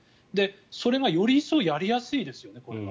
それがより一層やりやすいですよね、これは。